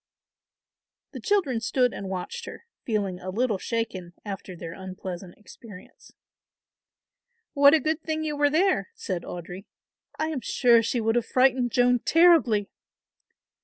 The children stood and watched her, feeling a little shaken after their unpleasant experience. "What a good thing you were there," said Audry. "I am sure she would have frightened Joan terribly."